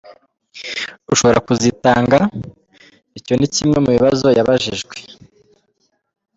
Ushobora kuzitanga?”, icyo ni kimwe mu bibazo yabajijwe.